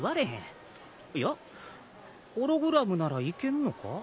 いやホログラムならいけんのか？